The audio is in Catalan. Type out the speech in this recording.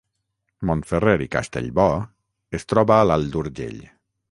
Montferrer i Castellbò es troba a l’Alt Urgell